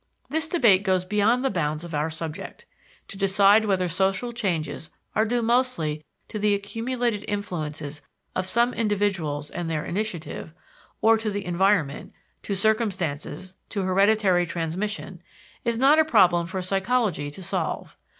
This debate goes beyond the bounds of our subject. To decide whether social changes are due mostly to the accumulated influences of some individuals and their initiative, or to the environment, to circumstances, to hereditary transmission, is not a problem for psychology to solve.